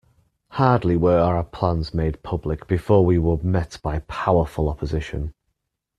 Hardly were our plans made public before we were met by powerful opposition.